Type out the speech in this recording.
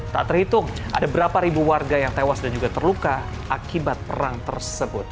tak terhitung ada berapa ribu warga yang tewas dan juga terluka akibat perang tersebut